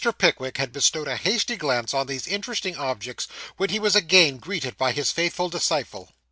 Pickwick had bestowed a hasty glance on these interesting objects, when he was again greeted by his faithful disciple.